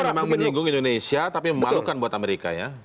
kita memang menyinggung indonesia tapi memalukan buat amerika ya